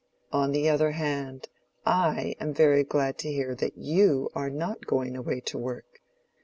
"On the other hand, I am very glad to hear that you are not going away to work.